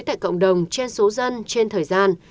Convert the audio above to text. tại cộng đồng trên số dân trên thời gian